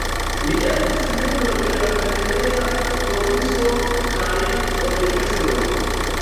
Li estis membro de la lerneja koruso kaj orkestro.